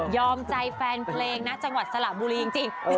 ใจแฟนเพลงนะจังหวัดสระบุรีจริง